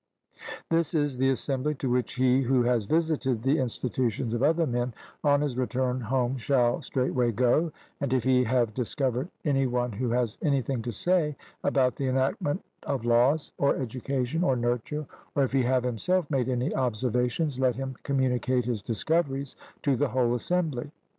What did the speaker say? This is the assembly to which he who has visited the institutions of other men, on his return home shall straightway go, and if he have discovered any one who has anything to say about the enactment of laws or education or nurture, or if he have himself made any observations, let him communicate his discoveries to the whole assembly.